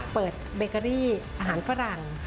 เบเกอรี่อาหารฝรั่ง